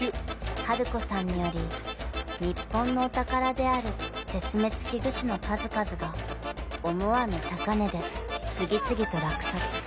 ［ハルコさんにより日本のお宝である絶滅危惧種の数々が思わぬ高値で次々と落札］